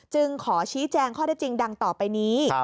ขอชี้แจงข้อได้จริงดังต่อไปนี้